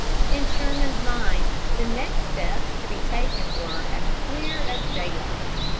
In Sherman's mind, the next steps to be taken were "as clear as daylight."